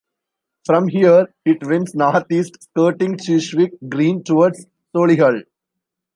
From here it winds north east, skirting Cheswick Green, towards Solihull.